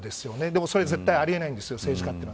でもそれは、絶対あり得ないんですよ、政治家は。